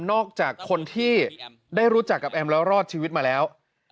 นอกจากคนที่ได้รู้จักกับแอมแล้วรอดชีวิตมาแล้ว